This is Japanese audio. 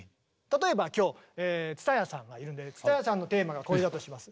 例えば今日蔦谷さんがいるんで蔦谷さんのテーマがこれだとします。